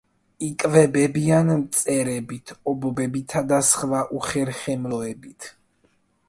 იკვებებიან მწერებით, ობობებითა და სხვა უხერხემლოებით.